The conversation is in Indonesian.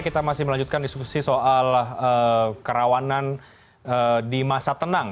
kita masih melanjutkan diskusi soal kerawanan di masa tenang